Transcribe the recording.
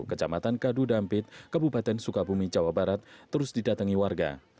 kecamatan kadu dampit kabupaten sukabumi jawa barat terus didatangi warga